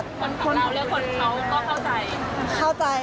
คนของเราและคนเขาก็เข้าใจ